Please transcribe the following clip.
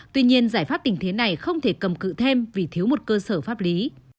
tuy nhiên giải pháp tình thế này không thể cầm cự thêm vì thiếu một cơ sở pháp lý